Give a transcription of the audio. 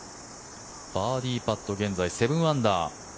バーディーパット現在７アンダー。